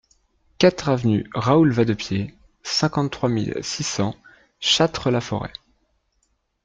quatre avenue Raoul Vadepied, cinquante-trois mille six cents Châtres-la-Forêt